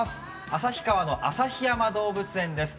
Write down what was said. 旭川の旭山動物園です。